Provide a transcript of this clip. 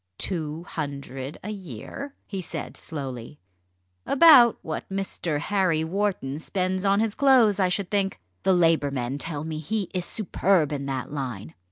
"Two hundred a year?" he said slowly; "about what Mr. Harry Wharton spends on his clothes, I should think. The Labour men tell me he is superb in that line.